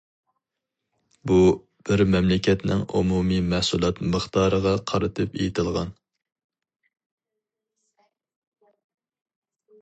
بۇ، بىر مەملىكەتنىڭ ئومۇمىي مەھسۇلات مىقدارىغا قارىتىپ ئېيتىلغان.